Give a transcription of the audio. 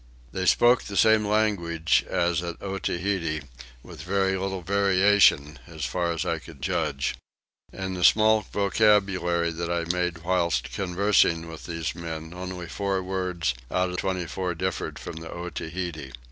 They spoke the same language as at Otaheite, with very little variation as far as I could judge. In a small vocabulary that I made whilst conversing with these men only four words out of twenty four differed from the Otaheite.